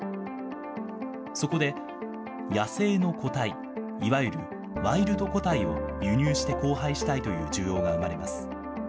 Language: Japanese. そこで、野生の個体、いわゆるワイルド個体を輸入して交配したいという需要が生まれます。